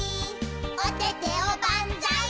「おててをばんざーい」